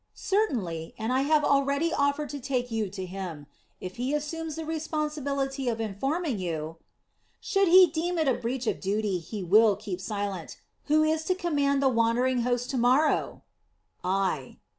"Certainly; and I have already offered to take you to him. If he assumes the responsibility of informing you...." "Should he deem it a breach of duty, he will keep silence. Who is to command the wandering hosts tomorrow?" "I."